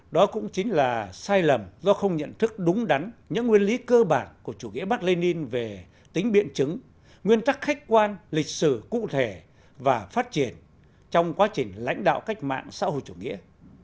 đó cũng chính là sai lầm do không nhận thức đúng đắn những nguyên lý cơ bản của chủ nghĩa bắc lê ninh về tính biện chứng nguyên tắc khách quan lịch sử cụ thể và phát triển trong quá trình lãnh đạo cách mạng xã hội chủ nghĩa